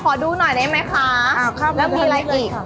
ขอดูหน่อยได้ไหมคะแล้วมีอะไรอีก